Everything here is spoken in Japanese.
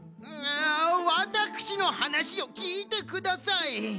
ワタクシのはなしをきいてください。